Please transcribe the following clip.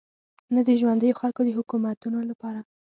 نه د ژونديو خلکو د حکومتونو لپاره.